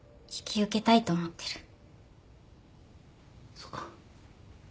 そうか。